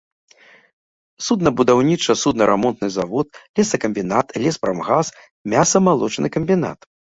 Суднабудаўніча-суднарамонтны завод, лесакамбінат, леспрамгас, мяса-малочны камбінат.